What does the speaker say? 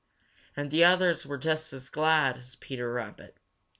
And the others were just as glad as Peter Rabbit.